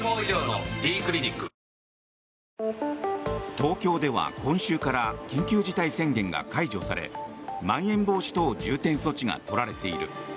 東京では今週から緊急事態宣言が解除されまん延防止等重点措置が取られている。